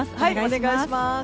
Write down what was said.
お願いします。